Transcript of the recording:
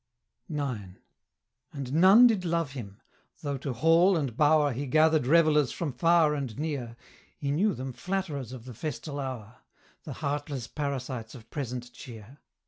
IX. And none did love him: though to hall and bower He gathered revellers from far and near, He knew them flatterers of the festal hour; The heartless parasites of present cheer.